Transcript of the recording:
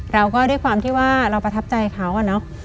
เราก็ด้วยความที่ว่าเราประทับใจเขาอะเนาะ